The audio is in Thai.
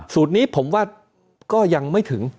สูตรนี้ผมว่าก็ยังไม่ถึง